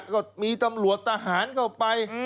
ก็มีตำรวจทหารเข้าไป